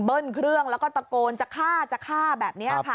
เบิ้ลเครื่องแล้วก็ตะโกนจะฆ่าแบบนี้ค่ะ